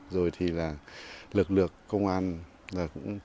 rồi thì lực lượng công an